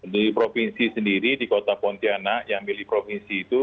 di provinsi sendiri di kota pontianak yang milih provinsi itu